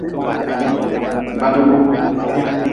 Badgu.